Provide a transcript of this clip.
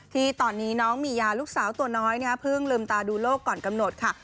ที่ตอนนี้น้องมียาลูกสาวตัวน้อยเพิ่งลืมตาดูโลกก่อนกำหนดค่ะ